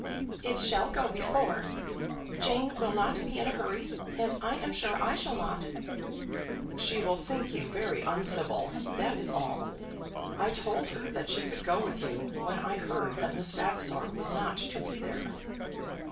"It shall go before. Jane will not be in a hurry, and I am sure I shall not." "She will think you very uncivil; that is all. I told her that she could go with you when I heard that Miss Vavasor was not to be there."